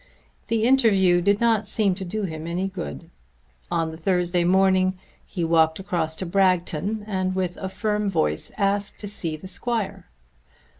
The interview did not seem to do him any good. On the Thursday morning he walked across to Bragton and with a firm voice asked to see the Squire.